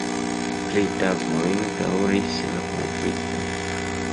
Tri tagojn daŭris la konflikto.